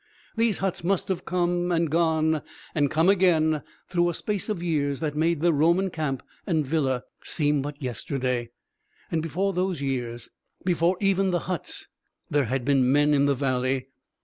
These huts must have come and gone and come again through a space of years that made the Roman camp and villa seem but yesterday; and before those years, before even the huts, there had been men in the valley.